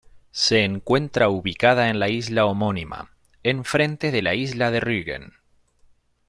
Se encuentra ubicada en la isla homónima, enfrente de la isla de Rügen.